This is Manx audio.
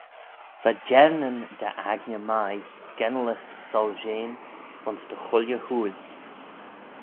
Va jeirnyn dy aigney mie gennalys soilshean ayns dy chooilley hooill.